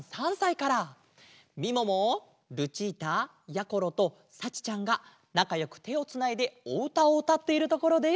みももルチータやころとさちちゃんがなかよくてをつないでおうたをうたっているところです。